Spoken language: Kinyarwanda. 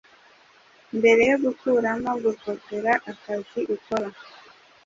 mbere yo gukuramo gukopera akazi ukora